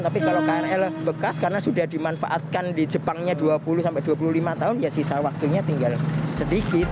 tapi kalau krl bekas karena sudah dimanfaatkan di jepangnya dua puluh sampai dua puluh lima tahun ya sisa waktunya tinggal sedikit